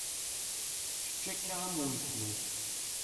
Kečč akka am uttma-k.